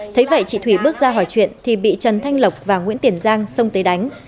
thấy vậy chị thủy bước ra hỏi chuyện thì bị trần thanh lộc và nguyễn tiền giang xông tới đánh